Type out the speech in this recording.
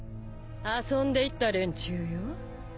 遊んでいった連中よ。